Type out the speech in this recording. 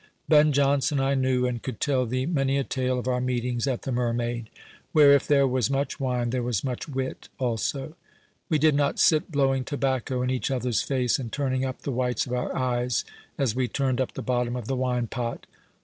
Ben Jonson I knew, and could tell thee many a tale of our meetings at the Mermaid, where, if there was much wine, there was much wit also. We did not sit blowing tobacco in each other's faces, and turning up the whites of our eyes as we turned up the bottom of the wine pot.